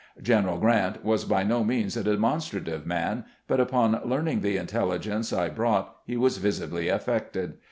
General Grant was by no means a demonstrative man, but upon learning the intelligence I brought, he was visibly affected.